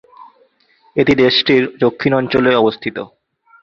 এটি দেশটির দক্ষিণ অঞ্চলে অবস্থিত।